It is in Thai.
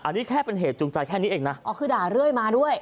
อันนี้แค่เป็นเหตุจูงใจแค่นี้เองนะอ๋อคือด่าเรื่อยมาด้วย